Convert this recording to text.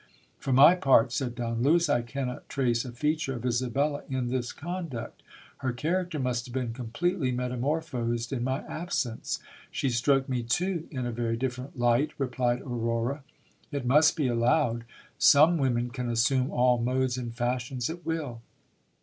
For my part, said Don Lewis, I cannot trace a feature of Isabella in this conduct. Her character must have been completely metamorphosed in my absence. She struck me too in a very different light, replied Aurora. It must be allowed some women can assume all modes and fashions at will.